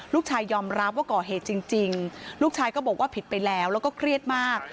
ยอมรับว่าก่อเหตุจริงลูกชายก็บอกว่าผิดไปแล้วแล้วก็เครียดมาก